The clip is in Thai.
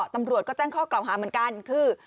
ตำรวจก็แจ้งข้อกล่าวหาเหมือนกันคือ